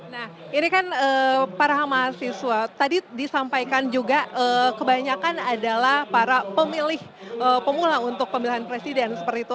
nah ini kan para mahasiswa tadi disampaikan juga kebanyakan adalah para pemilih pemula untuk pemilihan presiden seperti itu